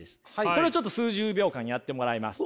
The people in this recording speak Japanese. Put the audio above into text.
これをちょっと数十秒間やってもらいます。